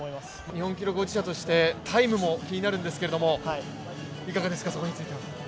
日本記録保持者としてタイムも気になるんですけどいかがですか？